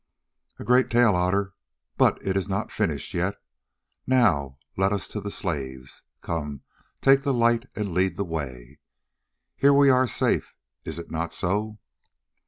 "A great tale, Otter, but it is not finished yet. Now let us to the slaves. Come, take the light and lead the way. Here we are safe, is it not so?"